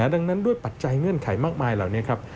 ดังนั้นด้วยปัจจัยเงื่อนไขมากมายเหล่านี้ครับ